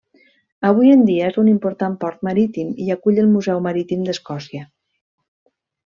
Avui en dia és un important port marítim i acull el Museu Marítim d'Escòcia.